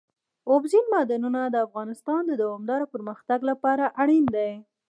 اوبزین معدنونه د افغانستان د دوامداره پرمختګ لپاره اړین دي.